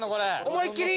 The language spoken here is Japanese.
思いっきり！